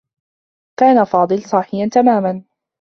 كان فاضل صاحيا تماما.